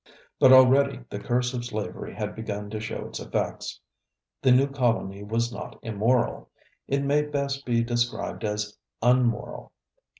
But already the curse of slavery had begun to show its effects. The new colony was not immoral; it may best be described as unmoral.